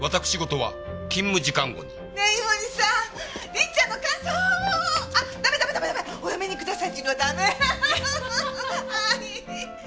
はい。